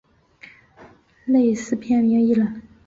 类似片名一览